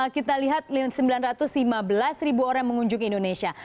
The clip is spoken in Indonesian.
kita lihat sembilan ratus lima belas ribu orang mengunjungi indonesia